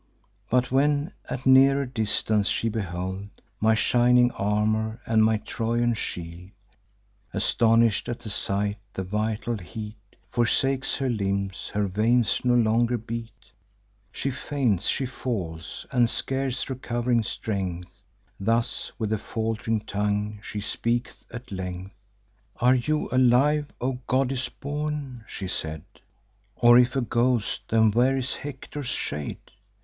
But when at nearer distance she beheld My shining armour and my Trojan shield, Astonish'd at the sight, the vital heat Forsakes her limbs; her veins no longer beat: She faints, she falls, and scarce recov'ring strength, Thus, with a falt'ring tongue, she speaks at length: "'Are you alive, O goddess born?' she said, 'Or if a ghost, then where is Hector's shade?